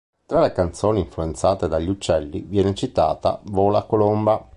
Tra le canzoni influenzate dagli uccelli viene citata "Vola colomba".